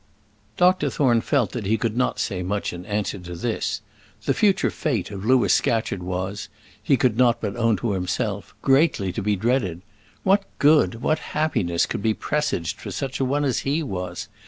Doctor Thorne felt that he could not say much in answer to this. The future fate of Louis Scatcherd was, he could not but own to himself, greatly to be dreaded. What good, what happiness, could be presaged for such a one as he was?